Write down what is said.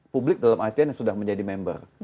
publik dalam artian yang sudah menjadi member